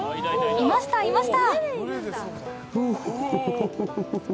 いました、いました！